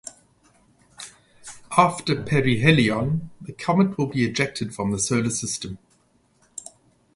After perihelion the comet will be ejected from the Solar System.